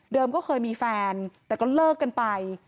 ก็เคยมีแฟนแต่ก็เลิกกันไป